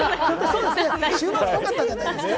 週末よかったんじゃないですか？